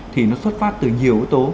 thì nó xuất phát từ nhiều yếu tố